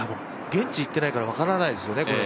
現地、行ってないから分からないですよね。